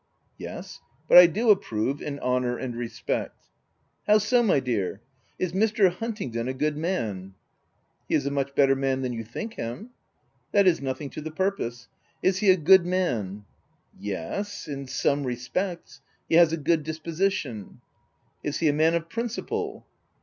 u Yes, but I do approve and honour, and re spect —" "How so, my dear? is Mr. Huntingdon a good man ?" 310 THE TENANT " He is a much better man than you think him." " That is nothing to the purpose. Is he a good man ?" "Yes — in some respects. He has a good disposition. r u Is he a man of principle?"